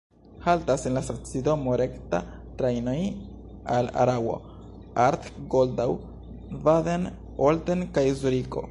Haltas en la stacidomo rektaj trajnoj al Araŭo, Arth-Goldau, Baden, Olten kaj Zuriko.